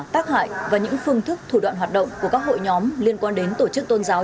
tác hại và những phương thức thủ đoạn hoạt động của các hội nhóm liên quan đến tổ chức tôn giáo